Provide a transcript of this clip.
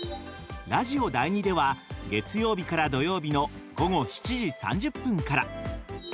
ラジオ第２では月曜日から土曜日の午後７時３０分から。